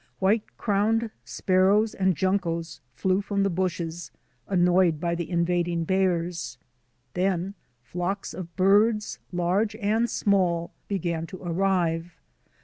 White crowned sparrows and juncos flew froxii the bushes, annoyed by the invading bears. Then flocks of birds, large and small, began to arrive.